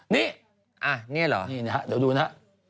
นี่นะเดี๋ยวดูนะ